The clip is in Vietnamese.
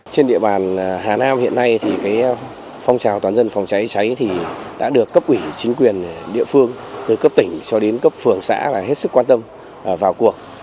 trên địa bàn hà nam hiện nay thì phong trào toàn dân phòng cháy cháy đã được cấp ủy chính quyền địa phương từ cấp tỉnh cho đến cấp phường xã hết sức quan tâm vào cuộc